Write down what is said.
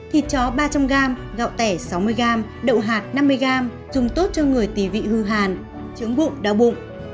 thịt chó ba trăm linh g gạo tẻ sáu mươi g đậu hạt năm mươi g dùng tốt cho người tí vị hư hàn chướng bụng đau bụng